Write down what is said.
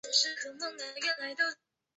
梅阿斯内。